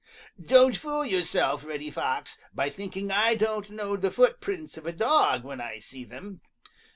"Don't fool yourself, Reddy Fox, by thinking I don't know the footprints of a dog when I see them.